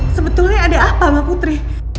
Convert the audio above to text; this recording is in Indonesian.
sebetulnya ada apa mbak putri